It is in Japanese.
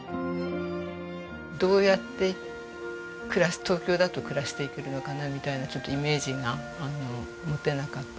どうやって東京だと暮らしていけるのかなみたいなちょっとイメージが持てなかった。